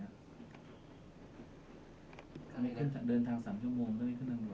เดินทาง๓ชั่วโมงก็ไม่ขึ้นดังนวลล่ะ